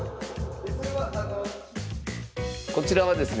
こちらはですね